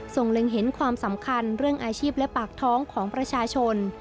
เล็งเห็นความสำคัญเรื่องอาชีพและปากท้องของประชาชน